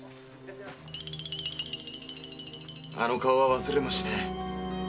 〕あの顔は忘れもしねえ。